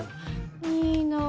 いいなぁ